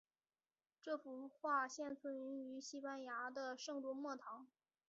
这幅画现存于西班牙的圣多默堂。